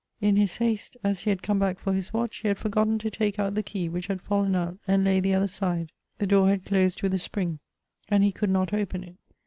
In his haste, as he had come back for his watch, he had forgotten to take out the key, which had fallen out, and lay the other side. The door had closed with a spring, and he could not open it.